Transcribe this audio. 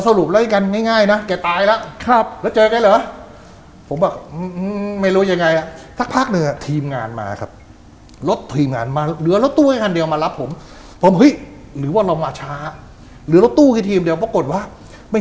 สรุปแล้วกันง่ายนะแต่เป็นลั้นครับเจอกันหรือผมไม่รู้ยังไง